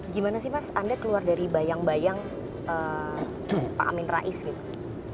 gimana sih mas anda keluar dari bayang bayang pak amin rais gitu